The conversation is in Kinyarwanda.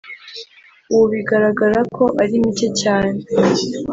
ubu bigaragara ko ari mike cyane